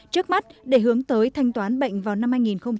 trước mắt để hướng tới thanh toán bệnh vào năm hai nghìn ba mươi